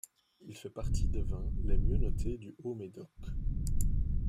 Il fait partie des vins les mieux notés du Haut-Médoc..